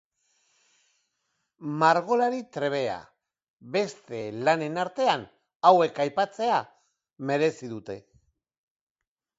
Margolari trebea, beste lanen artean hauek aipatzea merezi dute.